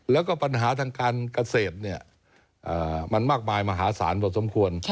แล้วก็ปัญหาทางการเกษตรมันมากมายมหาศาลพอสมควร